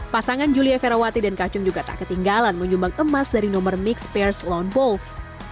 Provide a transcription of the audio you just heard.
pasangan julia ferawati dan kacung juga tak ketinggalan menyumbang emas dari nomor mixed pairs loan bowls